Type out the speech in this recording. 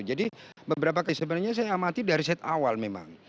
jadi beberapa kali sebenarnya saya amati dari saat awal memang